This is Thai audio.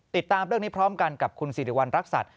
ติดตามเรื่องนี้พร้อมกันกับคุณสิริวัณรักษัตริย